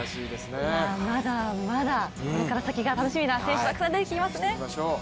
まだまだこれから先楽しみな選手がたくさん出てきますね。